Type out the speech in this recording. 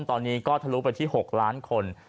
ตอนนี้ก็ทะลุไปที่๖ล้านคน